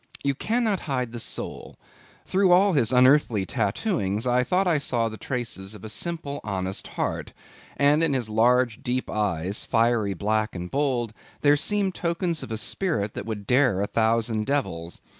You cannot hide the soul. Through all his unearthly tattooings, I thought I saw the traces of a simple honest heart; and in his large, deep eyes, fiery black and bold, there seemed tokens of a spirit that would dare a thousand devils.